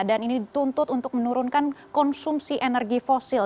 dan ini dituntut untuk menurunkan konsumsi energi fosil